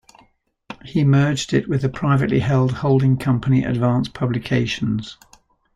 He merged it with the privately held holding company Advance Publications.